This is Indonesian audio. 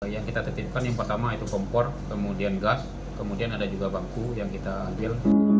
yang kita titipkan yang pertama itu kompor kemudian gas kemudian ada juga baku yang kita ambil